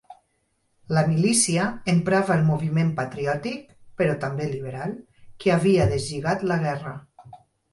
La Milícia emparava el moviment patriòtic, però també liberal, que havia deslligat la guerra.